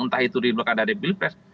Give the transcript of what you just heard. entah itu di blk dadeb bilpes